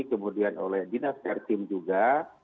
kemudian oleh dinas pertim juga